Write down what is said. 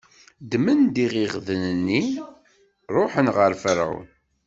Ddmen-d iɣiɣden-nni, ṛuḥen ɣer Ferɛun.